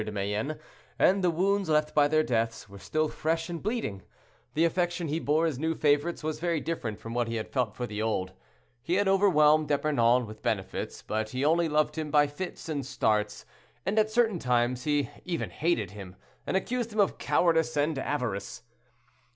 de Mayenne, and the wounds left by their deaths were still fresh and bleeding. The affection he bore his new favorites was very different from what he had felt for the old. He had overwhelmed D'Epernon with benefits, but he only loved him by fits and starts, and at certain times he even hated him, and accused him of cowardice and avarice.